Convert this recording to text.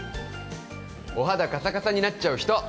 お肌かさかさになっちゃう人。